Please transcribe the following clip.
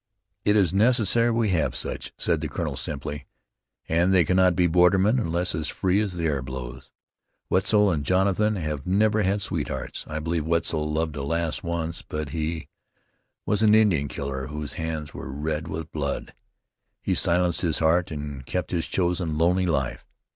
"It is necessary we have such," said the colonel simply, "and they cannot be bordermen unless free as the air blows. Wetzel and Jonathan have never had sweethearts. I believe Wetzel loved a lass once; but he was an Indian killer whose hands were red with blood. He silenced his heart, and kept to his chosen, lonely life.